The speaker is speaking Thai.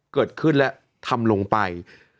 เกิดขึ้นและทำลงไป